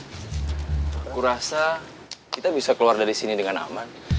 aku rasa kita bisa keluar dari sini dengan aman